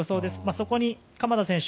そこに鎌田選手。